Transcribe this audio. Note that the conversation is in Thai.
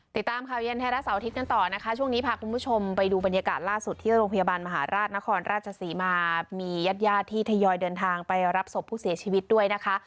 ติดตามข่าวเย็นไทยรัฐเสาร์อาทิตย์กันต่อนะคะช่วงนี้พาคุณผู้ชมไปดูบรรยากาศล่าสุดที่โรงพยาบาลมหาราชนครราชศรีมามีญาติญาติที่ทยอยเดินทางไปรับศพผู้เสียชีวิตด้วยนะคะ